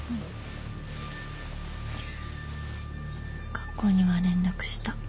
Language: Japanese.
学校には連絡した。